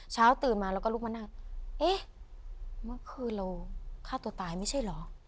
เช้าตื่นมาเราก็ลุกมานั่งเอ๊ะเมื่อคืนเราฆ่าตัวตายไม่ใช่เหรอ